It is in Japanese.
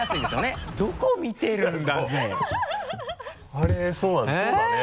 あれそうだね。